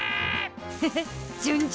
フフ順調！